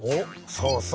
そうそう！